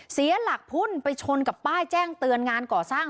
เสียหลักพุ่งไปชนกับป้ายแจ้งเตือนงานก่อสร้าง